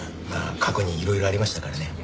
まあ過去にいろいろありましたからね。